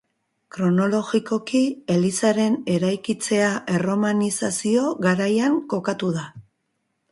Kronologikoki, elizaren eraikitzea erromanizazio garaian kokatu da.